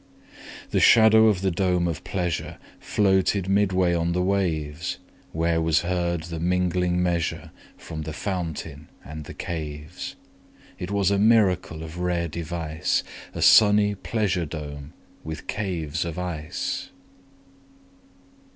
30 The shadow of the dome of pleasure Floated midway on the waves; Where was heard the mingled measure From the fountain and the caves. It was a miracle of rare device, 35 A sunny pleasure dome with caves of ice!